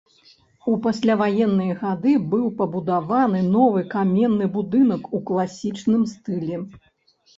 У пасляваенныя гады быў пабудаваны новы каменны будынак у класічным стылі.